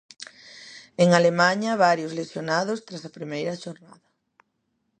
En Alemaña varios lesionados tras a primeira xornada.